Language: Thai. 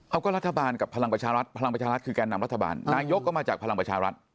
เอาก็รัฐบาลกับพลังประชารัฐพลังประชารัฐคือแก่นำรัฐบาลนายกก็มาจากพลังประชารัฐ